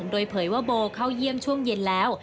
โดยเผยว่าโบเข้าเยี่ยมช่วงเย็นแล้ว